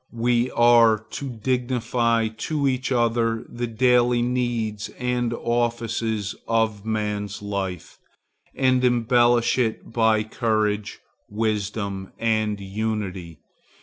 We are to dignify to each other the daily needs and offices of man's life, and embellish it by courage, wisdom and unity.